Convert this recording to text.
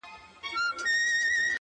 • زما خوښيږي پر ماگران دى د سين تـورى،